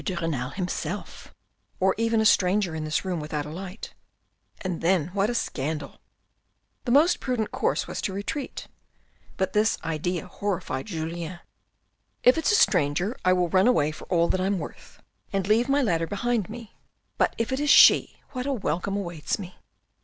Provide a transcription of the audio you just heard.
de Renal himself, or even a stranger in this room without a light, and then what a scandal !" The most prudent course was to retreat, but this idea horrified Julien. " If it's a stranger, I will run away for all I'm worth, and leave my ladder behind me, but if it is she, what a welcome awaits me